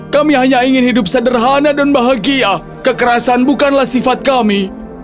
kami hanya ingin hidup sederhana dan bahagia kekerasan bukanlah sifat kami